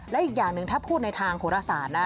และอีกอย่างหนึ่งถ้าพูดในทางโฆษานะ